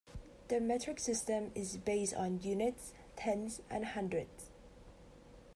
The metric system is based on units, tens and hundreds